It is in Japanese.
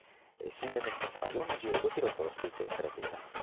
震源の深さは４５キロと推定されています。